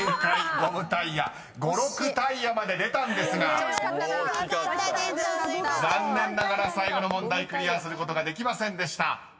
［「ごろくタイヤ」まで出たんですが残念ながら最後の問題クリアすることができませんでした］